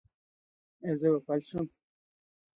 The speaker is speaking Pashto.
ایا زه به فلج شم؟